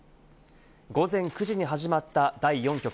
午前９時に始まった第４局。